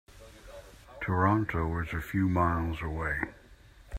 Toronto is a few miles away.